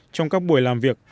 trong các buổi làm việc